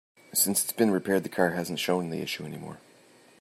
Since it's been repaired, the car hasn't shown the issue any more.